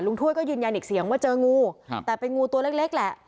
ถ้วยก็ยืนยันอีกเสียงว่าเจองูครับแต่เป็นงูตัวเล็กแหละ